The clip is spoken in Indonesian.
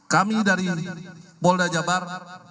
kami dari pol dajabar